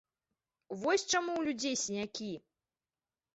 Вось чаму ў людзей сінякі!